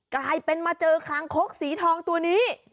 กลายเป็นมาเจอคางคกสีทองตัวนี้